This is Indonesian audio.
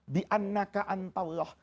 di annaka antaullah